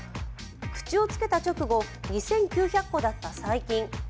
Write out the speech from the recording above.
口をつけた直後、２９００個だった細菌。